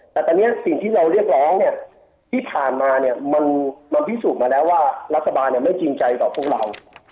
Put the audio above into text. แต่ตอนนี้สิ่งที่เราเรียกร้องเนี่ยที่ผ่านมาเนี่ยมันพิสูจน์มาแล้วว่ารัฐบาลไม่จริงใจต่อพวกเรา